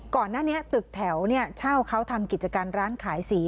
ก่อนหน้านี้ตึกแถวเช่าเขาทำกิจการร้านขายสี